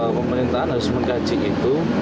pemerintahan harus menggaji itu